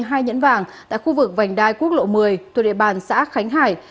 hai nhẫn vàng tại khu vực vành đai quốc lộ một mươi thuộc địa bàn xã khánh hải